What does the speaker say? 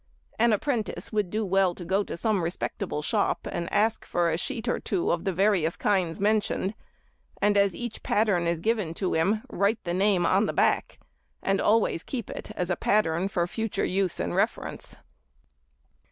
An apprentice would do well to go to some respectable shop and ask for a sheet or two of the various kinds mentioned, and as each pattern is given to him, write the name on the back, and always keep it as a pattern for future use and reference.